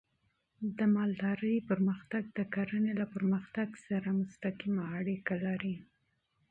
د مالدارۍ وده د کرنې له پرمختګ سره مستقیمه اړیکه لري.